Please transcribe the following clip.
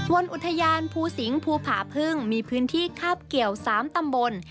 อุทยานภูสิงศภูผาพึ่งมีพื้นที่คาบเกี่ยว๓ตำบล